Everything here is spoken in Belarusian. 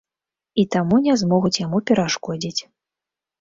І таму не змогуць яму перашкодзіць.